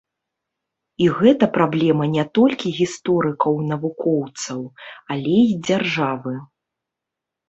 І гэта праблема не толькі гісторыкаў-навукоўцаў, але і дзяржавы.